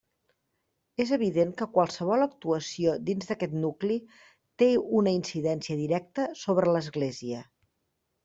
És evident que qualsevol actuació dins d'aquest nucli té una incidència directa sobre l'església.